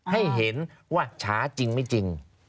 ให้เห็นว่าช้าจริงไม่จริง